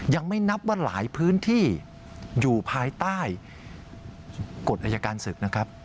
ยังไม่นับว่าหลายพื้นที่อยู่ภายใต้กฎอายการศึกนะครับ